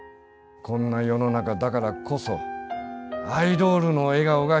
こんな世の中だからこそアイドールの笑顔が必要なんだよ。